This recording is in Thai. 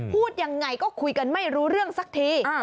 พูดยังไงก็คุยกันไม่รู้เรื่องสักที